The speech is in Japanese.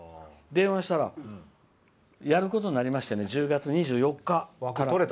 電話したらやることになりましてね１０月２４日。